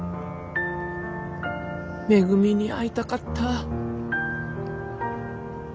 めぐみに会いたかった。